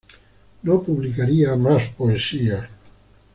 No publicaría más poesía.